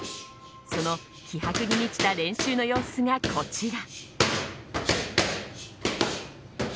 その気迫に満ちた練習の様子がこちら。